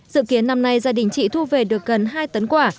dự kiến năm nay gia đình chị thu về được gần hai tấn quả